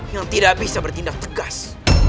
yang tidak bisa bertindak tegas